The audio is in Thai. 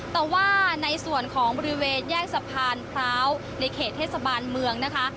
แต่ว่าในส่วนของบริเวณแยกสะพานพร้าวในเขตเทศบาลเมืองนะคะ